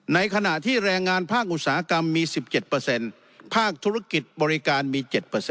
ในขณะที่แรงงานภาคอุตสาหกรรมมี๑๗ภาคธุรกิจบริการมี๗